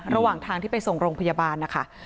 ระหว่างทางที่ไปส่งโรงพยาบาลนะคะ